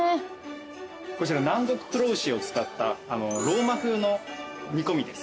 こちら南国黒牛を使ったローマ風の煮込みです。